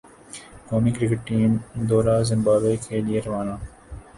قومی cricket team دورہ Zimbabwe کے لئے روانہ